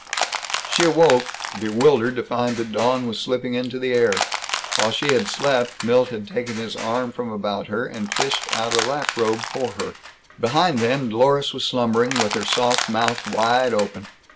She awoke, bewildered to find that dawn was slipping into the air. While she had slept Milt had taken his arm from about her and fished out a lap robe for her. Behind them, Dlorus was slumbering, with her soft mouth wide open.